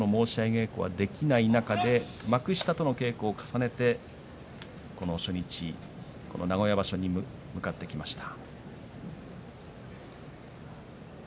稽古はできない中で幕下との稽古を重ねてこの初日、名古屋場所に向かってきました。